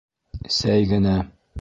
Сәй генә...